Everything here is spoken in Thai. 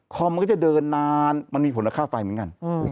มันก็จะเดินนานมันมีผลค่าไฟเหมือนกัน